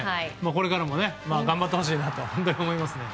これからも頑張ってほしいなと本当に思いますね。